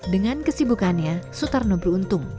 dengan kesibukannya sutarno beruntung